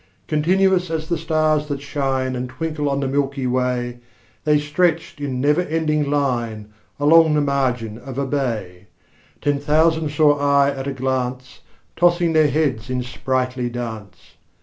Continuous as the stars that shine And twinkle on the milky way, The stretched in never ending line Along the margin of a bay: Ten thousand saw I at a glance, Tossing their heads in sprightly dance.